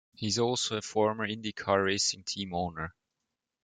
He is also a former IndyCar racing team owner.